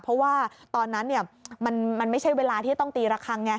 เพราะว่าตอนนั้นมันไม่ใช่เวลาที่ต้องตีระคังไง